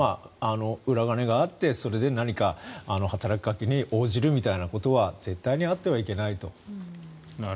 裏金があってそれで何か働きかけに応じるみたいなことは絶対にあってはいけないと。